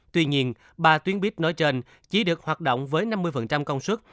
tuy nhiên ba tuyến biết nói trên chỉ được hoạt động với năm mươi công suất